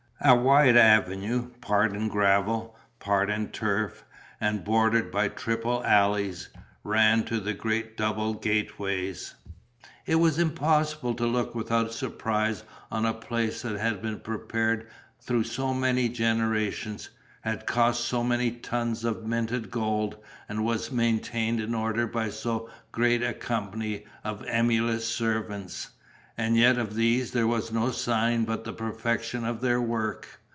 A wide avenue, part in gravel, part in turf, and bordered by triple alleys, ran to the great double gateways. It was impossible to look without surprise on a place that had been prepared through so many generations, had cost so many tons of minted gold, and was maintained in order by so great a company of emulous servants. And yet of these there was no sign but the perfection of their work.